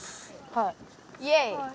はい。